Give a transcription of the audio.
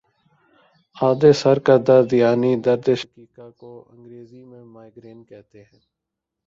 آدھے سر کا درد یعنی دردِ شقیقہ کو انگریزی میں مائیگرین کہا جاتا ہے